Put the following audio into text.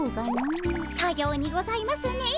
さようにございますねえ。